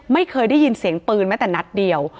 ไม่เคยได้ยินเสียงปืนแม้แต่นัดเดียว